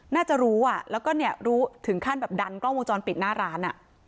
น่าจะรู้อ่ะแล้วก็เนี่ยรู้ถึงขั้นแบบดันกล้องวงจรปิดหน้าร้าน